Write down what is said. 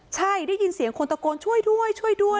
ใช่ได้ยินเสียงคนตะโกนช่วยด้วยช่วยด้วย